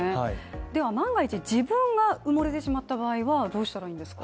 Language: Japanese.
では万が一自分が埋もれてしまった場合はどうしたらいいんですか？